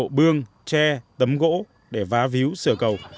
để ủng hộ bương tre tấm gỗ để vá víu sửa cầu